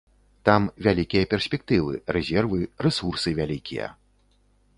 Там вялікія перспектывы, рэзервы, рэсурсы вялікія.